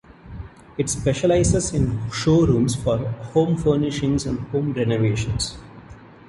It specialises in showrooms for home furnishings and home renovations.